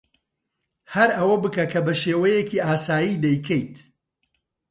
ھەر ئەوە بکە کە بە شێوەیەکی ئاسایی دەیکەیت.